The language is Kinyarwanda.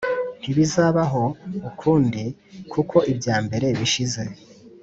ntibizabaho ukundi kuko ibya mbere bishize.